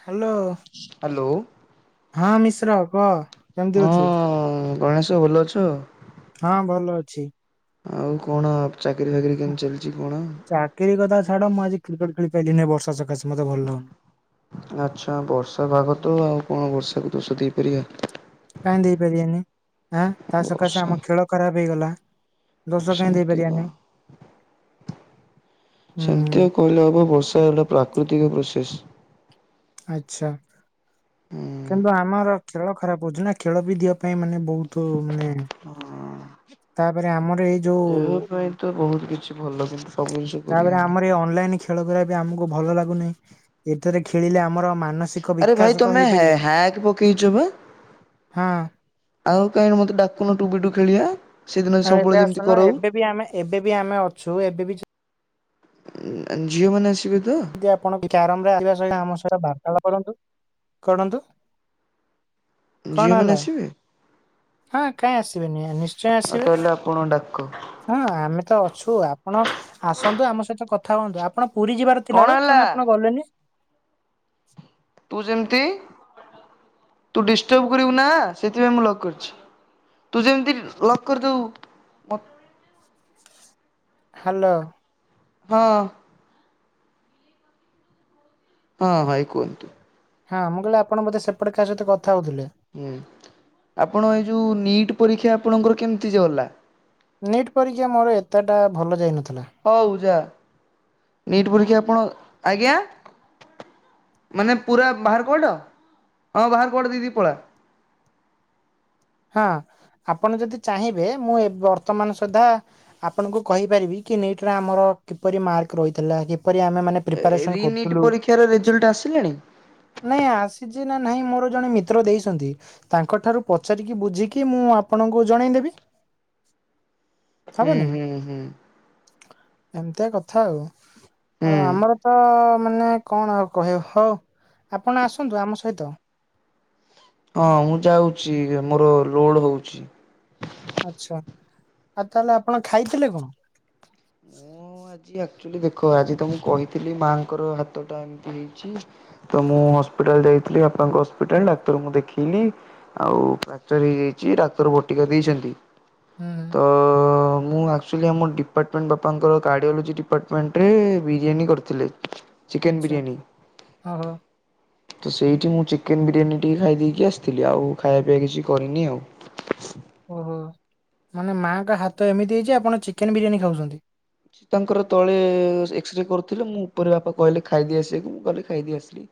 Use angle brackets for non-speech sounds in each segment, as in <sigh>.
Hello hello ହଁ ମିଶ୍ର କହ କେମିତି ଅଛୁ? ହଁ ଗଣେଶ ଭଲ ଅଛ? ହଁ ଭଲ ଅଛି। ଆଉ କଣ ଚାକିରି ଫାକିରୀ କେମିତି ଚାଲିଛି କଣ? କିରି କଥା ଛାଡ ମୁଁ ଆଜି କ୍ରିକେଟ ଖେଳି ପାରିଲିନି ବର୍ଷା ସକାଶେ ମତେ ଭଲଲାଗୁନି। ଆଚ୍ଛା ବର୍ଷା ପାଗ ତ ଆଉ କଣ ବର୍ଷାକୁ ଦୋଷ ଦେଇପାରିବା। କାଇଁ ଦେଇ ପାରିବାନି ଆଁ ତା ସକାଶେ ବର୍ଷା ଆମ ଖେଳ ଖରାପ ହେଇଗଲା। ଦୋଷ କାହିଁ ସେମତି କ ଦେଇପାରିବାନି ସେମତି ହୁଁ ଆଉ କହିଲେ ହବ ବର୍ଷା ହେଲା ପ୍ରାକୃତିକ ପ୍ରୋସେସ୍। ଆଚ୍ଛା। ହୁଁ କିନ୍ତୁ ଆମର ଖେଳ ଖରାପ ହଉଛି ନା ଖେଳ ବି ଦିିବା ପାଇଁ ମାନେ ବହୁତ ମାନେ ହଁ। ତାପରେ ଆମର ଏଇ ଯୋଉ ଦେହ ପାଇଁ ତ ବହୁତ କିଛି ଭଲ କିନ୍ତୁ ସବୁ ଜିନିଷ ତାପରେ କରିହଉନି। ଆମର ଏଇ ଅନଲାଇନ ଖେଳ କରିବା ବି ଆମକୁ ଭଲ ଲାଗୁନି ଏଥିରେ ଖେଳିଲେ ଆମର ମାନସିକ ବିକାଶ ତ ହେଇ ଏ ହ୍ୟାକ ପକେଇଛୁ ପା? ହଁ। ଆଉ କାହିଁକି ମତେ ଡାକୁନୁ ଟୁ ବି ଟୁ ଖେଳିଆ। ଆଉ ଏବେ ଆସୁନୁ ଏବେ ବି ଆମେ ଏବେ ବି ଆମେ ଅଛୁ ଏବେ ବି ଉଁ ଝିଅ ମାନେ ଆସିବେ ତ? ଯେ ଆପଣ କ୍ୟାରମ ରେ ଆସିବା ସହିତ ଆମ ସହିତ ବାର୍ତ୍ତାଳା କରନ୍ତୁ କଡନ୍ତୁ। <unintelligible> ଝିଅ ମାନେ ଆସିବେ? ହଁ କାଇଁ ଆସିବେନି ନିଶ୍ଚୟ ଆଉ ଆସିବେ। ତାହେଲେ ଆପଣ ଡାକ ହଁ ଆମେ ତ ଅଛୁ ଆପଣ ଆସନ୍ତୁ ଆମ ସହିତ କଥା ହୁଅନ୍ତୁ ଆପଣ ପୁରୀ ଯିବାର ଥିଲା ବା କଣ ଆପଣ ଗଲେନି? ତୁ ଯେମିତି ତୁ ଡିଷ୍ଟପ କରିବୁ ନା ସେଥିପାଇଁ ମୁଁ ଲକ କରିଛି। ତୁ ଯେମିତି ଲ ଲକ୍ କରିଦବୁ। ମ ହ୍ୟାଲୋ। ହଁ। ହଁ ଭାଇ କୁହନ୍ତୁ? ହଁ ମୁଁ କହିଲି ଆପଣ ବୋଧେ ସେପଟେ କାହା ସହିତ କଥା କଉଥିଲେ? ହୁଁ ଆପଣ ଏଇ ଯୋଉ ନିଟ୍ ପରୀକ୍ଷା ଆପଣଙ୍କର କେମିତି ଯେଗଲା? ନିଟ୍ ପରୀକ୍ଷା ମୋର ଏତେଟା ଭଲ ଯାଇନଥିଲା। ହଉ ଜା ନିଟ୍ ପରୀକ୍ଷା ଆପଣ ଆଜ୍ଞା? ମାନେ ପୁରା ବାହାର କବାଟ ହଁ ବାହାର କବାଟ ଦେଇଦେଇ ପଳା। ହଁ ଆପଣ ଯଦି ଚାହିଁବେ ମୁଁ ଏବ ବର୍ତ୍ତମାନ ସୁଦ୍ଧା ଆପଣଙ୍କୁ କହିପାରିବି କି ନିଟ ରେ ଆମର କିପରି ମାର୍କ ରହିଥିଲା କିପରି ଆମେ ମାନେ ଏ ପ୍ରିପାରେସନ ରିନିଟ୍ କରୁଥିଲୁ ପରୀକ୍ଷାରେ ରେଜଲ୍ଟ ଆସିଲାଣି? ନାଇଁ ଆସିଛି ନା ନାଇଁ ମୋର ଜଣେ ମିତ୍ର ଦେଇଛନ୍ତି ତାଙ୍କଠାରୁ ପ ପଚାରିକି ବୁଝିକି ମୁଁ ଆପଣଙ୍କୁ ଜଣଇଦେବି। ହୁଁ ହବନି ହୁଁ ହୁଁ ଏମିତିଆ କଥା ଆଉ। ହୁଁ। ଆଉ ଆମର ତ ମାନେ କଣ ଆଉ କହିଅ ହଉ ଆପଣ ଆସନ୍ତୁ ଆମ ସହିତ। ହଁ ମୁଁ ଯାଉଛି ମୋର ଲୋଡ ହଉଛି। ଆଚ୍ଛା ଆଉ ତାହେଲେ ଆପଣ ଖାଇଥିଲେ କଣ? ମୁଁ ଆଜି ଆକ୍ଚୁଲି ଦେଖ ଆଜି ତ ମୁଁ କହିଥିଲି ମାଆଙ୍କର ହାତଟା ଏମିତି ହେଇଛି ତ ମୁଁ ହସ୍ପିଟାଲ ଯାଇଥିଲି ବାପାଙ୍କ ହସ୍ପିଟାଲ ଡାକ୍ତରଙ୍କୁ ଦେଖେଇଲି ଆଉ ଫ୍ରାକ୍ଟର ହେଇଯାଇଛି ଡାକ୍ତର ଭଟିକା ଦେଇଛନ୍ତି। ହୁଁ ତ ମୁଁ ଆଚୁଲି ଆମ ଡିପାର୍ଟମେଣ୍ଟ ବାପାଙ୍କର କାର୍ଡିଓଲୋଜି ଡିପାର୍ଟମେଣ୍ଟରେ ବିରିୟାନୀ କରିଥିଲେ। ଚିକେନ ଆଚ୍ଛା ବିରିୟାନୀ। ଓ ହୋ। ତ ସେଇଠି ମୁଁ ଚିକେନ ବିରିୟାନୀ ଟିକେ ଖାଇ ଦେଇେଇକି ଆସିଥିଲି ଆଉ ଖାଇବା ପିଇବା କିଛି କରିନି ଆଉ। ଓହୋ ମାନେ ମାଆଙ୍କ ହାତ ଏମିତି ହେଇଛି ଆପଣ ଚିକେନ ବିରିୟାନୀ ଖାଉଛନ୍ତି? ତାଙ୍କର ତଳେ ଏକ୍ସରେ କରୁଥିଲେ ମୁଁ ଉପରେ ବାପା କହିଲେ ଖାଇଦେଇ ଆସିବାକୁ ମୁଁ କହିଲି ଖାଇଦେଇ ଆସିଲି।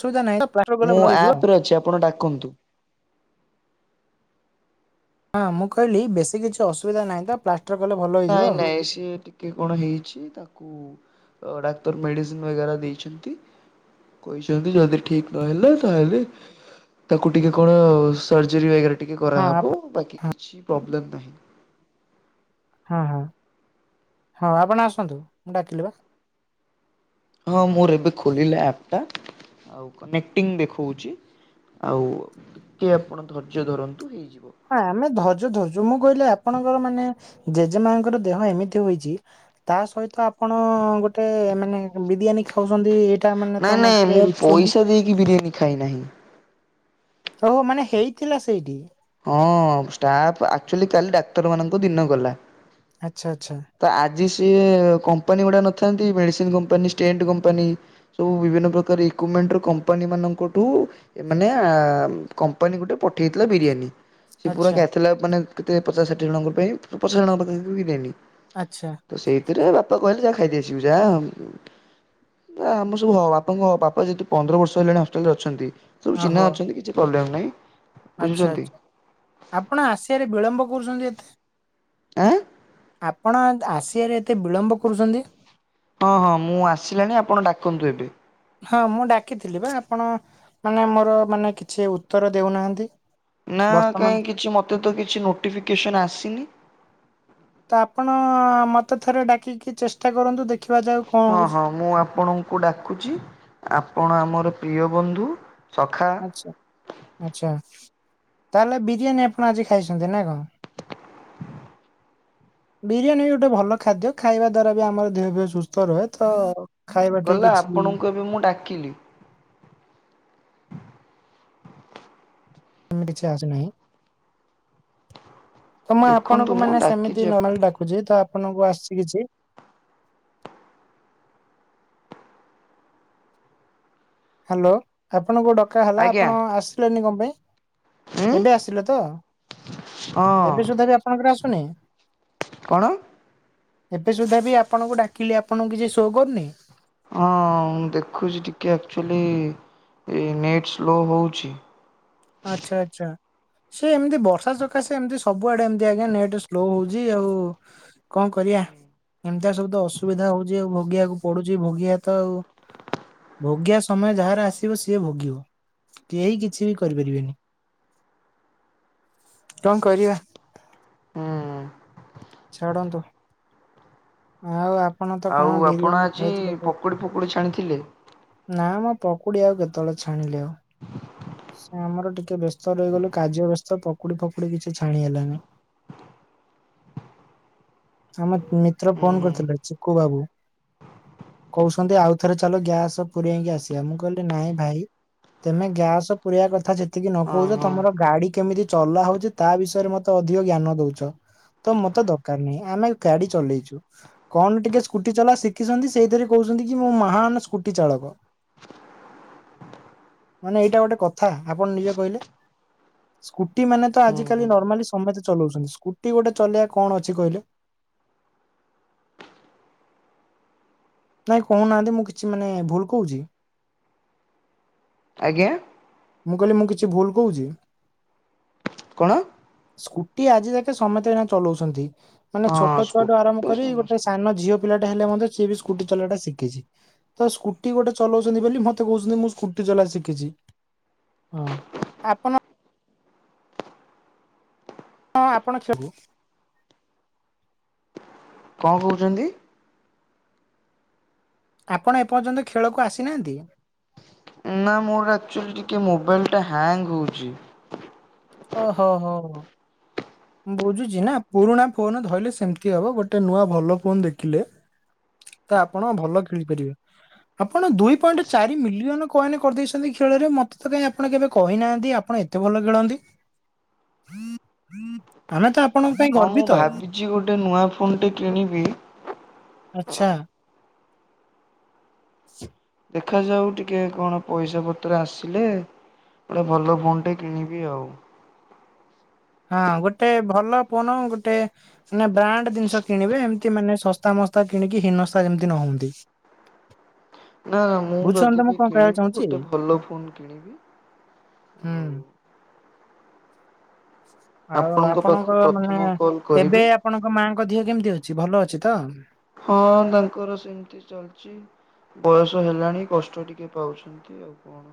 ସଉଦା ନାଇଁ। ମୁଁ ଆପ ରେ ଅଛି ଆପଣ ଡାକନ୍ତୁ। ହଁ ମୁଁ କହିଲି ବେଶୀ କିଛି ଅସୁବିଧା ନାହିଁ ତ ପ୍ଲାଷ୍ଟର କଲେ ଭଲ ହେଇଯିବ। କି ସିଏ ଟି କିଏ କଣ ହେଇଛି ତାକୁ ଡାକ୍ତର ମେଡିସିନ ବଗେରା ଦେଇଛନ୍ତି। କହିଛନ୍ତି ଯଦି ଠିକ୍ ନହେଲା ତାହେଲେ ତାକୁ ଟିକେ କଣ ସର୍ଜରୀ ବାଗେରେ ହଁ କରାହବ ଆପଣ ବାକି କିଛି ପ୍ରବ୍ଲେମ୍ ନାହିଁ। ହଁ ହଁ ହଁ ଆପଣ ଆସନ୍ତୁ ମୁଁ ଡାକିଲି ବା। ହଁ ମୋର ଏବେ ଖୋଲିଲା ଆପ ଟା। ଆଉ କନେକ୍ଟିଙ୍ଗ ଦେଖଉଛି ଆଉ ଟିକିଏ ଆପଣ ଧୈର୍ଯ୍ୟ ଧରନ୍ତୁ ହେଇଯିବ। ହଁ ଆମେ ଧର୍ଯ୍ୟ ଧରୁଚୁ ମୁଁ କହିଲି ଆପଣଙ୍କର ମାନେ ଜେଜେମାଙ୍କର ଦେହ ଏମିତି ହୋଇଛି ତା ସହିତ ଆପଣ ଗୋଟେ ମାନେ ବିରିୟାନୀ ଖାଉସନ୍ତି ନାଇଁ ନାଇଁ ମୁଁ ପଇସା ଦେଇକି ବିରିୟାନୀ ଖାଇ ନାହିଁ। ଓହ ମାନେ ହେଇଥିଲା ସେଇଠି? ହଁଷ୍ଟାପ ଆକଚୁଆଲି କାଲି ଡାକ୍ତର ମାନଙ୍କୁ ଦିନ ଗଲା। ଆଚ୍ଛା ଆଚ୍ଛା। ତ ଆଜି ସିଏ କମ୍ପାନୀ ଗୁଡ଼ା ନଥାନ୍ତି ମେଡିସିନ କମ୍ପାନୀ ଷ୍ଟେଣ୍ଟ କମ୍ପାନୀ ସବୁ ବିଭିନ୍ନ ପ୍ରକାର ଇକ୍ୟୁମେଣ୍ଟର କମ୍ପାନୀମାନଙ୍କଠୁ ଏ ମାନେ କମ୍ପାନୀ ଗୁଟେ ପଠେଇଥିଲା ବିରିୟାନୀ। ସେ ପୁରା ଆଚ୍ଛା କ୍ୟାଥାଲାକ ମାନେ କେତେ ପଚାଶ ଷାଠି ଜଙ୍କ ପାଇଁ ପଚାଶ ଜଣଙ୍କ ପାଖା ପାଖି ପାଇଁ ଦେଇନି। ଆଚ୍ଛା। ତ ସେଇଥିରେ ବାପା କହିଲେ ଯାଆ ଖାଇଦେଇ ଆସିବୁ ଯାଆ ବା ଆମର ସବୁ ହ ବାପାଙ୍କ ହ ବାପା ଯେହତୁ ପନ୍ଦର ବର୍ଷ ହେଲାଣି ହଷ୍ଟେଲ ରେ ଅଛନ୍ତି। ସବୁ ଚିହ୍ନ ଓହୋ। ଅଛନ୍ତି କିଛି ପ୍ରୋବ୍ଲେମ୍ ନାହିଁ। ଆଚ୍ଛା ବୁଝୁଛନ୍ତି ଆଚ୍ଛା ଆପଣ ଆସିଆରେ ବିଳମ୍ବ କରୁଛନ୍ତି ଏତେ? ଆଁ ଆପଣ ଆସିଆରେ ଏତେ ବିଳମ୍ବ କରୁଛନ୍ତି? ହଁ ହଁ ମୁଁ ଆସିଲାଣି ଆପଣ ଡାକନ୍ତୁ ଏବେ। ହଁ ମୁଁ ଡାକିଥିଲି ବା ଆପଣ ମାନେ ମୋର ମାନେ କିଛି ଉତ୍ତର ଦେଉନାହାନ୍ତି? ନା ବର୍ତ୍ତମାନ କାହିଁ କିଛି ମତେ ତ କିଛି ନୋଟିଫିକେସନ୍ ଆସିନି। ତ ଆପଣ ମତେ ଥରେ ଡାକିକି ଚେଷ୍ଟା କରନ୍ତୁ ଦେଖିବା ଯାଉ କଣ ହଁ ହଉଛି। ହଁ ମୁଁ ଆପଣଙ୍କୁ ଡାକୁଛି ଆପଣ ଆମର ପ୍ରିୟ ବନ୍ଧୁ ସଖା ଆଚ୍ଛା ତାହେଲେ ବିରିୟାନୀ ଆପଣ ଆଜି ଖାଇଛନ୍ତି ନା କଣ? <unintelligible> ବିରିୟାନୀ ବି ଗୁଟେ ଭଲ ଖାଦ୍ୟ ଖାଇବା ଦ୍ଵାରା ବି ଆମର ଦେହ ଫେହ ସୁସ୍ଥ ରହେ ତ ଖାଇବାଟେ କଲା କିଛି ଆପଣଙ୍କୁ ଏବେ ମୁଁ ଡାକିଲି। ଏନା କିଛି ଆସି ନାହିଁ। ତ ମୁଁ ଦେଖନ୍ତୁ ଆପଣଙ୍କୁ ମୁଁ ମାନେ ଡାକିଚି ସେମିତି ନର୍ମାଲ ଡାକୁଛି ତ ଆପଣଙ୍କୁ ଆସିଛି କିଛି। ହ୍ୟାଲୋ ଆପଣଙ୍କୁ ଡକା ହେଲା ଆଜ୍ଞା ଆପଣ ଆସିଲେନି କଣ ଉଁ ପାଇଁ ଏବେ ଆସିଲେ ତ? ହଁ ଏବେ ସୁଧା ବି ଆପଣଙ୍କର ଆସୁନି। କଣ ଏବେ ସୁଦ୍ଧା ବି ଆପଣଙ୍କୁ ଡାକିଲି ଆପଣଙ୍କୁ କିଛି ଶୋ କରୁନି। ହଁ ମୁଁ ଦେଖୁଛି ଟିକେ ଆକ୍ଚୁଆଲି ଏ ନେଟ୍ ସ୍ଲୋ ହୋଉଛି। ଆଚ୍ଛା ଆଚ୍ଛା। ସେ ଏମିତି ବର୍ଷା ସକାଶେ ଏମତି ସବୁଆଡେ ଏମତି ଆଜ୍ଞା ନେଟ ସ୍ଲୋ ହଉଚି ଆଉ କଣ କରିବା ଏମିତିଆଉ ସବୁ ତ ଅସୁବିଧା ହଉଛି ଆଉ ଭୋଗିଆକୁ ପଡୁଛି ଭଗିବା ତ ଆଉ। ଭୋଗିବା ସମୟ ଯାହାର ଆସିବ ସିଏ ଭୋଗିବ କେହି କିଛି ବି କରି ପାରିବେନି କଣ କରିବା? ଅଁ। ଛାଡ଼ନ୍ତୁ। ଆଉ ଆପଣ ତ ଆଉ କଣ ଆପଣ ବିରିୟାନୀ ଆଜି ଖାଇଥିଲେ କୋଉଠି? ପକୁଡି ଫକୁଡି ଛାଣିଥିଲେ ନା ମ ପକୁଡ଼ି ଆଉ କେତେବେଳେ ଛାଣିଲି ଆଉ। ଆମର ଟିକେ ବ୍ୟସ୍ତ ରହିଗଲୁ କାର୍ଯ୍ୟ ବ୍ୟସ୍ତ ପକୁଡି ଫକୁଡି କିଛି ଛାଣି ହେଲାନି। ଆମ ମିତ୍ର ହୁଁ ଫୋନ ହୁଁ କରିଥିଲେ ଚିକୁ ବାବୁ। କହୁଛନ୍ତି ଆଉ ଥରେ ଚାଲ ଗ୍ୟାସ ପୁରେଇକି ଆସିବା ମୁଁ କହିଲି ନାଇଁ ଭାଇ। ତମେ ଗ୍ୟାସ ତ ପୁରେଇବା କଥା ସେତିକି ନ ହଁ କହୁଛ ହଁ ତମର ଗାଡି କେମିତି ଚଲା ହଉଛି ତା ବିଷୟରେ ମତେ ଅଧିକ ଜ୍ଞାନ ଦଉଛ। ତ ମତେ ଦରକାର ନାହିଁ ଆମେ ଗାଡି ଚଲେଇଛୁ। କଣ ଟିକେ ସ୍କୁଟି ଚଲା ଶିଖିଛନ୍ତି ସେଇଥିରେ କହୁଛନ୍ତି କି ମୁଁ ମହାନ ସ୍କୁଟି ଚାଳକ। ମାନେ ଏଇଟା ଗୋଟେ କଥା ଆପଣ ନିଜେ କହିଲେ। ସ୍କୁଟି ମାନେ ତ ହୁଁ ହୁଁ ଆଜିକାଲି ନର୍ମାଲି ସମେସ୍ତେ ଚଲାଉଛନ୍ତି ସ୍କୁଟି ଗୋଟେ ଚଲେଇବା କଣ ଅଛି କହିଲେ? ନାଇଁ କହୁନାହାନ୍ତି ମୁଁ କିଛି ମାନେ ଭୁଲ୍‌ କହୁଛି। ଆଜ୍ଞା। ମୁଁ କହିଲି ମୁଁ କିଛି ଭୁଲ୍ କହୁଛି। କଣ? ସ୍କୁଟି ଆଜି ଜାକେ ସମତେ ଚଲାଉଛନ୍ତି। ମାନେ ହଁ ଛୋଟ ଛୁଆଠୁ ସ୍କୁଟି ଆରମ୍ଭ ତ କରି ଗୋଟେ ସମସ୍ତେ ସାନ ଝିଅ ପିଲାଟା ହେଲେ ମଧ୍ୟ ସିଏ ବି ସ୍କୁଟି ଚଲେଇବାଟା ଶିଖିଛି। ତ ସ୍କୁଟି ଗୋଟେ ଚଲଉଛନ୍ତି ବୋଲି ମତେ କହୁଛନ୍ତି ମୁଁ ସ୍କୁଟି ଚଲା ଶିଖିଛି। ହଁ ଆପଣ ହଁ ଆପଣ ଖେ କଣ କହୁଛନ୍ତି? ଆପଣ ଏପର୍ଯ୍ୟନ୍ତ ଖେଳକୁ ଆସିନାହାନ୍ତି। ନା ମୋର ଆକ୍ଚୁଆଲି ଟିକିଏ ମୋବାଇଲିଟା ହ୍ୟାଙ୍ଗ୍ ହୋଉଛି। ଓ ହୋ ହ ହଁ। ବୁଝୁଛି ନା ପୁରୁଣା ଫୋନ ଧଇଲେ ସେମିତି ହବ ଗୋଟେ ନୂଆ ଭଲ ଫୋନ ଦେଖିଲେ ତ ଆପଣ ଭଲ ଖେଳିପାରିବେ। ଆପଣ ଦୁଇ ପଏଣ୍ଟ ଚାରି ମିଲିୟନ କଏନ କରିଦେଇଛନ୍ତି ଖେଳରେ ମତେ ତ କାହିଁ ଆପଣ କେବେ କହିନାହାନ୍ତି ଆପଣ ଏତ୍ ଏତେ ଭଲ ଖେଳନ୍ତି? ହୁଁ ହୁଁ। ଆମେ ତ ଆପଣଙ୍କ ପାଇଁ ହଁ, ମୁଁ ଭାବିଛି ଗୋଟେ ନୂଆ ଫୋନ୍ ଟେ କିଣିବି। ଆଚ୍ଛା ଦେଖାଯାଉ ଟିକେ କଣ ପଇସା ପତ୍ର ଆସିଲେ ଗୋଟେ ଭଲ ଫୋନ୍ ଟେ କିଣିବି ଆଉ। ହଁ, ଗୋଟେ ଭଲ ଫୋନ ଗୋଟେ ସିନା ବ୍ରାଣ୍ଡ ଜିନିଷ କିଣିବେ ଏମିତି ମାନେ ଶସ୍ତା ମସ୍ତା କିଣିକି ହିନସ୍ତା ଯେମିତି ନ ହୁଅନ୍ତି। <inaudible> ନା ମୁଁ ଯଦି ବୁଝୁଛନ୍ତି ମୁଁ ବି କଣ କହିବାକୁ କିଣିବି ଚାହୁଁଛି ଗୋଟେ ଭଲ ଫୋନ୍ କିଣିବି ହୁଁ ଆଉ ଆଉ ପାଖକୁ ଆପଣଙ୍କ ମାନେ ପ୍ରଥମ କଲ୍ କରିବି। ଏବେ ଆପ ଆପଣଙ୍କ ମାଆଙ୍କ ଦିହ କେମିତି ଅଛି ଭଲ ଅଛି ତ? ହଁ, ତାଙ୍କର ସେମିତି ଚାଲିଛି। ଚି ବୟସ ହେଲାଣି କଷ୍ଟ ଟିକେ ପାଉଛନ୍ତି ଆଉ କଣ।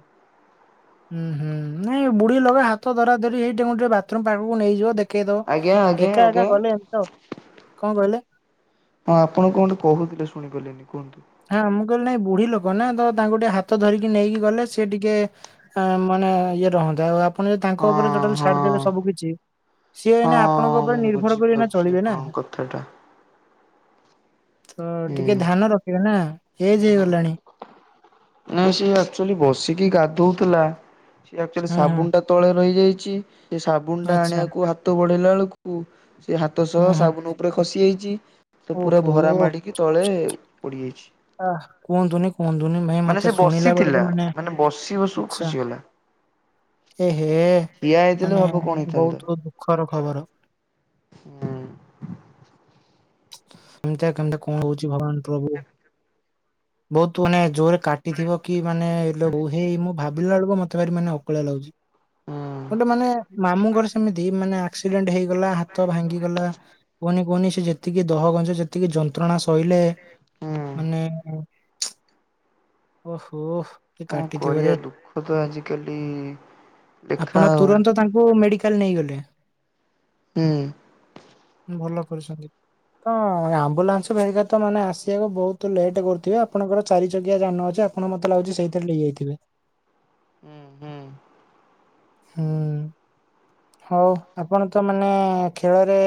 ହୁଁ, ହୁଁ ନାଇଁ ବୁଢୀ ଲୋକ ହାତ ଧରା ଧରି ହେଇଟିକେ ବାଥରୁମ୍ ପାଖକୁ ନେଇଯିବ ଦେଖ କେ ଆଜ୍ଞା ଦବ ଆଜ୍ଞା ଦେଖ ଏକା ଆଜ୍ଞା କଲେ ଏମିତି ତ କଣ କହିଲେ? ହଁ, ଆପଣ କଣ ଗୋଟେ କହୁଥିଲେ ଶୁଣି ପାରିଲିନି କୁହନ୍ତୁ। ହଁ ମୁଁ କହିଲି ନାାଇ ବୁଢୀ ଲୋକ ନା ତ ତାଙ୍କୁ ଟିକେ ହାତ ଧରିକି ନେଇକି ଗଲେ ସେ ଟିକେ ହଁ ମାନେ ଇଏ ରହନ୍ତେ ଆଉ ଆପଣ ଯଦି ତାଙ୍କ ଉପରେ ହଁ ଟୋଟାଲ ହଁ ଛାଡିଦେବେ ସବୁ କିିଛି। ସିଏ ଏଇନା ଆପଣଙ୍କ ହଁ ମୁଁ ଉପରେ ନିର୍ଭରକରି ଏଇନା ବୁଝିପାରୁଛି ଚଳିବେ ନା ଆପଣଙ୍କ କଥାଟା ତ ଟିକେ ହୁଁ। ଧ୍ୟାନ ରଖିବେ ନା ଏଜେ ହେଇଗଲାଣି। ହୁଁ, ସେ ଆକ୍ଚୁଆଲି ବସିକି ଗାଧଉଥିଲା ସେ ଆକ୍ଚୁଆଲି ହୁଁ ହୁଁ ସାବୁନ ଟା ତଳେ ରହିଯାଇଛି ସେ ସାବୁନ ଟା ଆଚ୍ଛା ଆଣିବାକୁ ହାତ ବଢେଇଲା ବେଳକୁ ସେ ହାତ ସହ ହୁଁ ହୁଁ ସାବୁନ ଉପରେ ଖସି ଯାଇଛି ତ ପୁରା ଓହୋ ଭରା ମାଡିକି ତଳେ ପଡ଼ିଯାଇଛି। ଆ କୁହନ୍ତୁନି। କୁହନ୍ତୁନି ଭାଇ ସେ ମତେ ଶୁଣିଲା ବସିଥିଲା ବେଳକୁ ମାନେ ବସି ବସୁ ଆଛା ଖସିଗଲା। ଏ ହେ ଠିଆ ହେଇଥିଲେ ମାନେ ଭାବ କଣ ହେଇଥାନ୍ତା। ବହୁତ୍ ବହୁତ୍ ଦୁଃଖର ଖବର। <inaudible> ଏମତିଆ କେମିତି କଣ ହଉଛି ଭଗବାନ ପ୍ରଭୁ। ବହୁତ ମାନେ ଜୋରରେ କାଟିଥିବ କି ମାନେ ଇଲୋ ବୋଉ ମୁଁ ଭାବିଲା ବେଳକୁ ମତେ ଭାରି ମାନେ ଅକଳିଆ ଲାଗୁଛି। ଗୋଟେ ମାନେ ମାମୁଁଙ୍କର ସେ ସେମିତି ମାନେ ଆକ୍ସିଡେଣ୍ଟ ହେଇଗଲା ହାତ ଭାଙ୍ଗିଗଲା କୁହନି କୁହନି ସେ ଯେ ଯେତିକି ଦହଗଞ୍ଜ ଯେତିକି ଯନ୍ତ୍ରଣା ସହିଲେ ହୁଁ ହୁଁ ମାନେ ଓ ହୋ, ହୋ କଣ କରିବା ଦୁଃଖ ତ ଆଜିକାଲି ଲେଖା ଆପଣ ଆଉ ତୁରନ୍ତ ତାଙ୍କୁ ମେଡିକାଲ୍ ନେଇଗଲେ। ହୁଁ। ଭଲ କରିଛନ୍ତି। ତ ଆମ୍ବୁଲାନ୍ସ ଭେରିକା ତ ମାନେ ଆସିବାକୁ ବହୁତ ଲେଟ୍ କରୁଥିବେ ଆପଣଙ୍କର ଚାରି ଚକିଆ ଜାନ ଅଛି। ଯେ ଆପଣ ମତେ ଲାଗୁଛି ସେଇଥିରେ ନେଇ ଯାଇଥିବେ। ହୁଁ, ହୁଁ। ହୁଁ। ହଉ ଆପଣ ତ ମାନେ ଖେଳରେ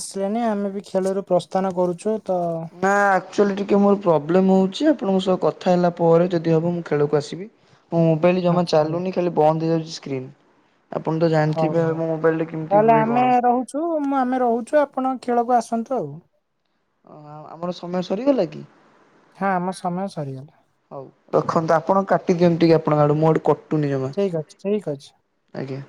ଆସିଲେନି ଆମେ ବି ଖେଳରୁ ପ୍ରସ୍ଥାନ କରୁଛୁ ତ ନା ଆକଚୁଆଲି ଟିକିଏ ମୋର ପ୍ରୋବ୍ଲେମ୍ ହେଉଛି ଆପଣଙ୍କ ସହ କଥା ହେଲା ପରେ ଯଦି ହେବ ମୁଁ ଖେଳକୁ ଆସିବି। ମୋ ମୋବାଇଲ୍ ଜମା ଆଚ୍ଛା ହଉ ଚାଲୁନି ଖାଲି ବନ୍ଦ ହେଇଯାଉଛି ସ୍କ୍ରିନ। ଆପଣତ ହଉ ଜାଣିଥିବେ ମୋ ମୋବାଇଲରେ କେମିତି ହୁଏ କଣ। ଶୁଣୁ ମା ଆମେ ରହୁଛୁ ଆପଣ ଖେଳକୁ ଆସନ୍ତୁ ଆଉ। ଓହୋ ଆମର ସମୟ ସରିଗଲାକି ଆମ ହଁ। ସମୟ ସରିଗଲା ହଉ ରଖନ୍ତୁ ଆପଣ କାଟି ଦିଅନ୍ତୁ ଟିକେ ଆପଣଙ୍କ ଆଡ଼ୁ ମୋ ଆଡ଼ୁ କ ଠିକ୍ ଅଛି ଠିକ୍ ଅଛି। ଆଜ୍ଞା।